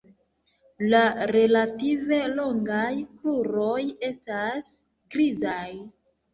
La relative longaj kruroj estas grizaj.